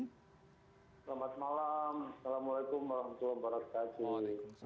selamat malam assalamualaikum warahmatullahi wabarakatuh